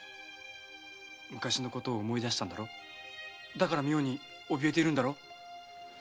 だから妙におびえているんだろう？